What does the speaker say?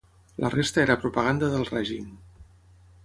La resta era propaganda del règim.